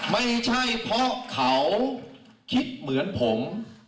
ไม่ใช่เพราะเขาคิดเหมือนผม